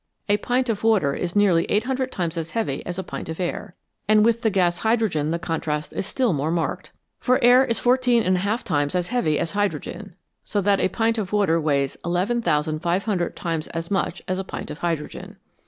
A pint of water is nearly 800 times as heavy as a pint of air, and with the gas hydrogen the contrast is still more marked. For air is fourteen and a half times as heavy as hydrogen, so that a pint of water weighs 11,500 times as much as a pint of hydrogen.